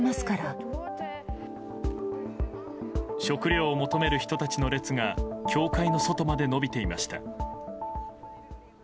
食料を求める人たちの列が教会の外まで延びていました。